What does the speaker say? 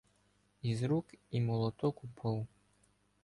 Із рук і молоток упав.